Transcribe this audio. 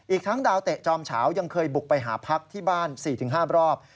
อีกทั้งดาวเตะจอมเฉายังเคยบุกไปหาพักที่บ้าน๔๕รอบ